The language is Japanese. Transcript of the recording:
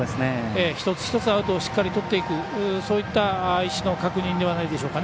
一つ一つアウトをしっかりとっていく意思の確認ではないでしょうか。